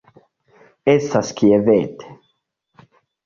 Estas kviete.